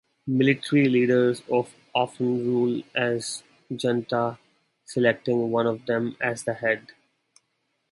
Military leaders often rule as a junta, selecting one of them as the head.